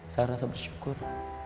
saya rasa bersyukur